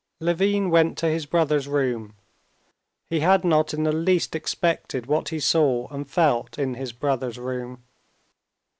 Levin went to his brother's room. He had not in the least expected what he saw and felt in his brother's room.